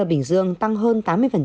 ở bình dương tăng hơn tám mươi